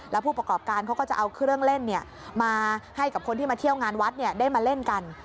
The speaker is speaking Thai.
แล้วผู้ประกอบการเขาก็จะเอาเครื่องเล่นมาให้กับคนที่มาเที่ยวงานวัดได้มาเล่นกัน